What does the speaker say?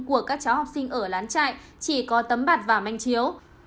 của các cháu học sinh ở lán trại chỉ có tấm bạt và manh chiều